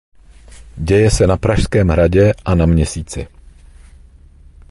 Děje se na Pražském hradě a na Měsíci.